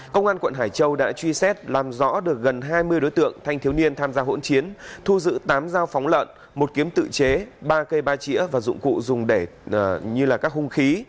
công an quận hải châu đã truy xét làm rõ được gần hai mươi đối tượng thanh thiếu niên tham gia hỗn chiến thu giữ tám dao phóng lợn một kiếm tự chế ba cây ba chỉa và dụng cụ dùng để như các hung khí